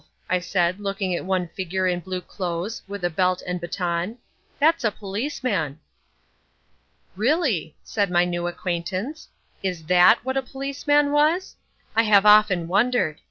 I said looking at one figure in blue clothes with a belt and baton, "that's a policeman!" "Really," said my new acquaintance, "is that what a policeman was? I've often wondered.